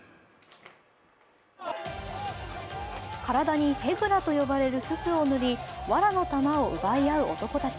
体にヘグラと呼ばれるすすを塗りわらを奪い合う男たち。